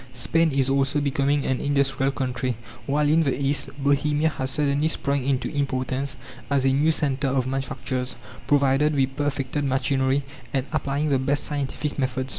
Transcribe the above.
Spain is also becoming an industrial country; while in the East, Bohemia has suddenly sprung into importance as a new centre of manufactures, provided with perfected machinery and applying the best scientific methods.